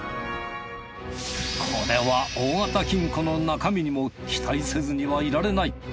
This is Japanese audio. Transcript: これは大型金庫の中身にも期待せずにはいられない。